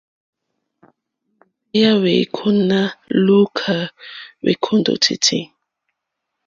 Lìwòtéyá wèêkóná lùúkà wêkóndòtítí.